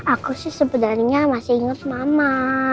aku sih sebenarnya masih ingat mama